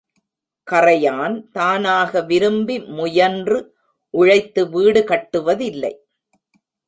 கறையான் தானாக விரும்பி முயன்று உழைத்து வீடு கட்டுவதில்லை.